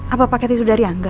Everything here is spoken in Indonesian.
apa paket itu dari angga